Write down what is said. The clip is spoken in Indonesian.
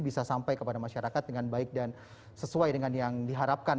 bisa sampai kepada masyarakat dengan baik dan sesuai dengan yang diharapkan